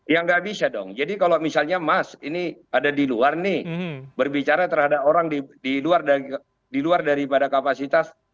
ya nggak bisa dong jadi kalau misalnya mas ini ada di luar nih berbicara terhadap orang di luar daripada kapasitas